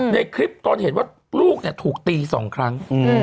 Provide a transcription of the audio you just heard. ในคลิปตอนเห็นว่าลูกถูกตี๒ครั้ง